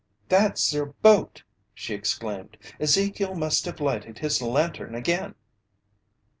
"That's their boat!" she exclaimed. "Ezekiel must have lighted his lantern again!"